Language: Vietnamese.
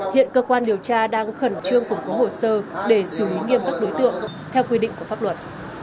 hiện cơ quan điều tra đang khẩn trương củng cố hồ sơ để xử lý nghiêm các đối tượng theo quy định của pháp luật